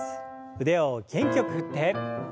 腕を元気よく振って。